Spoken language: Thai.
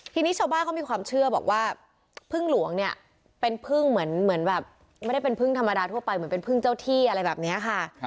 ทีนี้ชาวบ้านเขามีความเชื่อบอกว่าพึ่งหลวงเนี่ยเป็นพึ่งเหมือนแบบไม่ได้เป็นพึ่งธรรมดาทั่วไปเหมือนเป็นพึ่งเจ้าที่อะไรแบบนี้ค่ะ